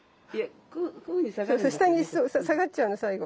なにこれ⁉下に下がっちゃうの最後。